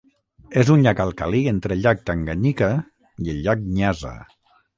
És un llac alcalí entre el Llac Tanganyika i el Llac Nyasa.